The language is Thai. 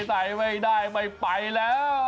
ใส่ไม่ได้ไม่ไปแล้ว